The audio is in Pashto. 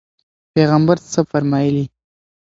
پیغمبر څه فرمایلي؟